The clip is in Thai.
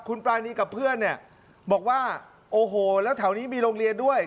คุณปรานีกับเพื่อนเนี่ยบอกว่าโอ้โหแล้วแถวนี้มีโรงเรียนด้วย